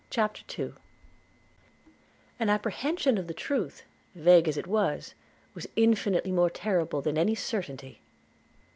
CHAPTER II AN apprehension of the truth, vague as it was, was infinitely more terrible than any certainty.